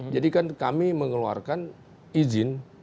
jadikan kami mengeluarkan izin